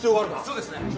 そうですね。